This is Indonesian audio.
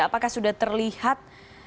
apakah sudah terlihat